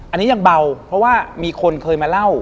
อันนี้ยังเบาเพราะว่ามีคนเคยมาเล่า